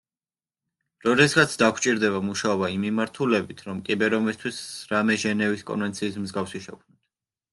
როდესღაც დაგვჭირდება მუშაობა იმ მიმართულებით, რომ კიბერ-ომისთვის რამე ჟენევის კონვენციის მსგავსი შევქმნათ.